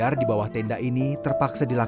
rasa sedih saja